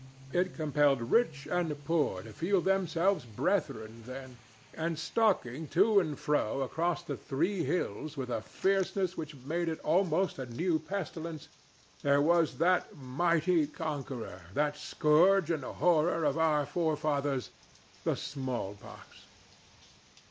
It compelled rich and poor to feel themselves brethren then, and stalking to and fro across the Three Hills with a fierceness which made it almost a new pestilence, there was that mighty conqueror—that scourge and horror of our forefathers—the small pox.